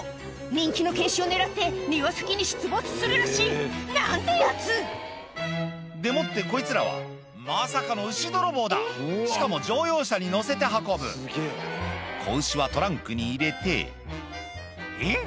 人気の犬種を狙って庭先に出没するらしい何てヤツ！でもってこいつらはまさかの牛泥棒だしかも乗用車に載せて運ぶ子牛はトランクに入れてえっ⁉